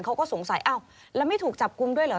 เขาก็สงสัยอ้าวแล้วไม่ถูกจับกลุ่มด้วยเหรอ